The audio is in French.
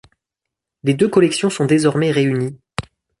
Les deux collections sont désormais réunies.